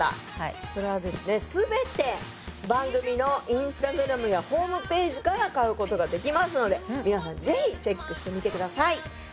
それはですね全て番組のインスタグラムやホームページから買う事ができますので皆さんぜひチェックしてみてください。